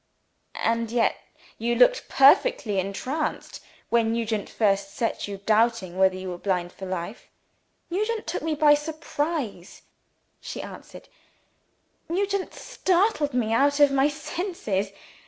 "And yet, you looked perfectly entranced when Nugent first set you doubting whether you were blind for life?" "Nugent took me by surprise," she answered; "Nugent startled me out of my senses.